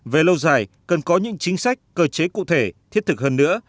về lâu dài cần có những chính sách cơ chế cụ thể thiết thực hơn nữa